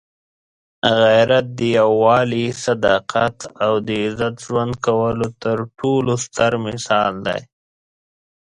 غیرت د یووالي، صداقت او د عزت ژوند کولو تر ټولو ستر مثال دی.